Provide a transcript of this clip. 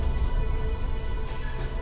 kasian tahu keatna